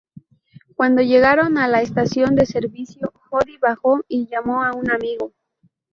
Cuando llegaron a la estación de servicio, Jody bajó y llamó a un amigo.